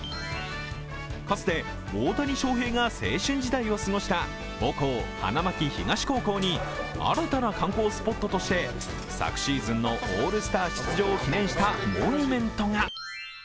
かつて大谷翔平が青春時代を過ごした母校・花巻東高校に新たな観光スポットとして昨シーズンのオールスター出場を記念したモニュメントが。